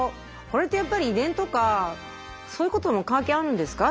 これってやっぱり遺伝とかそういうことも関係あるんですか？